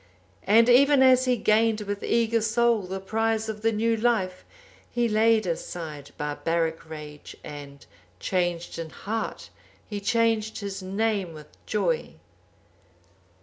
And even as he gained with eager soul the prize of the new life, he laid aside barbaric rage, and, changed in heart, he changed his name with joy.